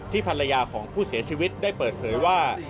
ภรรยาของผู้เสียชีวิตได้เปิดเผยว่า